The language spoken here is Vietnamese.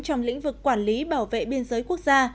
trong lĩnh vực quản lý bảo vệ biên giới quốc gia